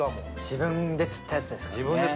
自分で釣ったやつですからね。